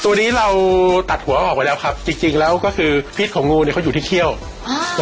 ตัวนี้เราตัดหัวออกไปแล้วครับจริงจริงแล้วก็คือพิษของงูเนี้ยเขาอยู่ที่เขี้ยวอ่า